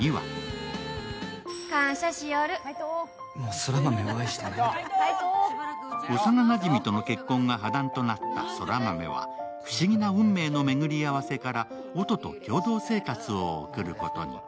Ｔｗｉｔｔｅｒには幼なじみとの結婚が破談となった空豆は不思議な運命の巡り合わせから音と共同生活を送ることに。